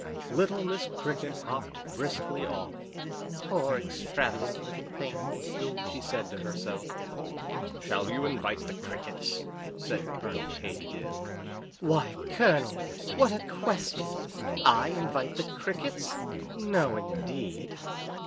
Little Miss Cricket hopped briskly off. "Poor, extravagant little thing," she said to herself. "Shall you invite the Crickets?" said Colonel Katy Did. "Why, Colonel, what a question! I invite the Crickets? No, indeed."